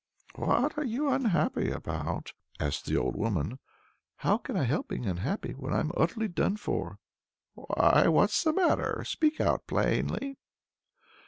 "What are you unhappy about?" asked the old woman. "How can I help being unhappy, when I'm utterly done for?" "Why what's the matter? Speak out plainly."